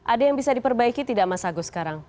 ada yang bisa diperbaiki tidak mas agus sekarang